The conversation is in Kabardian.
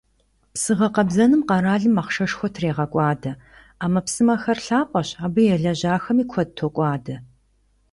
Псы гъэкъэбзэным къэралым ахъшэшхуэ трегъэкӀуадэ: Ӏэмэпсымэхэр лъапӀэщ, абы елэжьахэми куэд токӀуадэ.